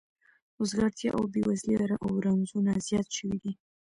وزګارتیا او بې وزلي او رنځونه زیات شوي دي